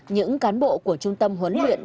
những cán bộ của trung tâm huấn luyện